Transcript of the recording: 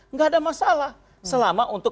nggak ada masalah selama untuk